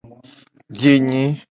Biye nyi.